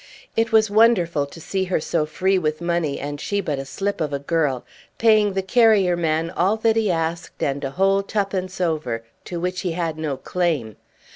It was wonderful to see her so free with money, and she but a slip of a girl, paying the carrier man all that he asked and a whole twopence over, to which he had no claim.